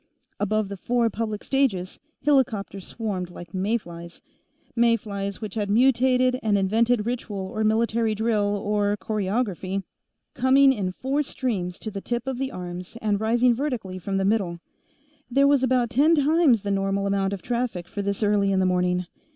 Above the four public stages, helicopters swarmed like May flies May flies which had mutated and invented ritual or military drill or choreography coming in in four streams to the tips of the arms and rising vertically from the middle. There was about ten times the normal amount of traffic for this early in the morning.